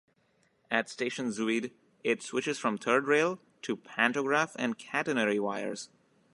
At Station Zuid it switches from third rail to pantograph and catenary wires.